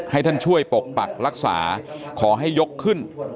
ให้ท่านช่วยปกปักรักษาขอให้ยกขึ้น